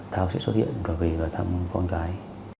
thao sẽ xuất hiện và về thăm con trai